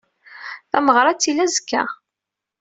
Tameɣra ad d-tili azekka.